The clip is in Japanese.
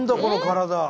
この体。